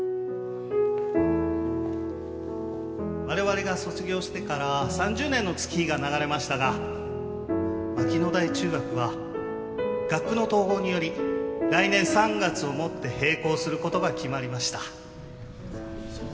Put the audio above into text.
「我々が卒業してから３０年の月日が流れましたが牧ノ台中学は学区の統合により来年３月をもって閉校することが決まりました」